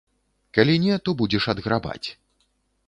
Калі не, то будзеш адграбаць.